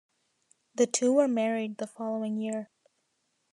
The two were married the following year.